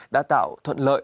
đã tạo thuận lợi